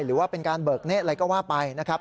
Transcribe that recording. หรือว่าเป็นการเบิกเนธอะไรก็ว่าไปนะครับ